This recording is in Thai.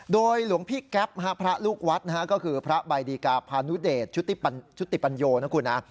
โดยหลวงพี่แก๊ปพระลูกวัดนะฮะก็คือพระใบดีกาพานุเดชชุติปัญโยนะคุณนะ